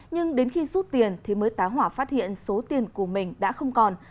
nhưng đến khi rút tiền thì mới tá hỏa phát hiện số tiền của mình đã không còn